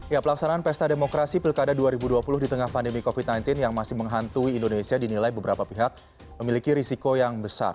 ya pelaksanaan pesta demokrasi pilkada dua ribu dua puluh di tengah pandemi covid sembilan belas yang masih menghantui indonesia dinilai beberapa pihak memiliki risiko yang besar